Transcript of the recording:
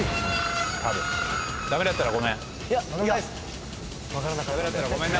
駄目だったらごめん。